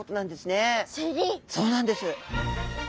そうなんです。